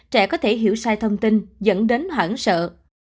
trẻ có thể hiểu sai thông tin dẫn đến hoảng sợ